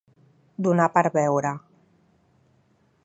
Donar per beure.